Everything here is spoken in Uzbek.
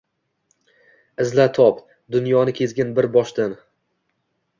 Izla top, dunyoni kezgin bir boshdan